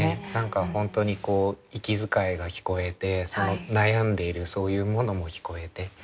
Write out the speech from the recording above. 何か本当にこう息遣いが聞こえてその悩んでいるそういうものも聞こえて。